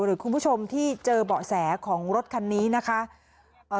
หรือคุณผู้ชมที่เจอเบาะแสของรถคันนี้นะคะเอ่อ